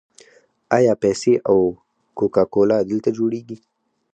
آیا پیپسي او کوکا کولا دلته جوړیږي؟